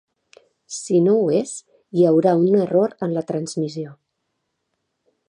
Si no ho és, hi haurà un error en la transmissió.